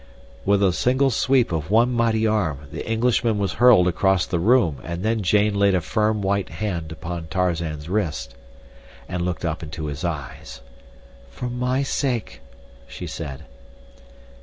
With a single sweep of one mighty arm the Englishman was hurled across the room, and then Jane laid a firm white hand upon Tarzan's wrist, and looked up into his eyes. "For my sake," she said.